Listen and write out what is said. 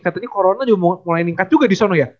katanya corona juga mulai meningkat juga di sana ya